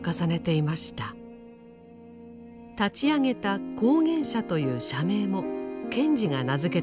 立ち上げた「光原社」という社名も賢治が名付けたものです。